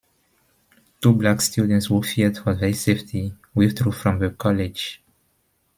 Two black students who feared for their safety withdrew from the college.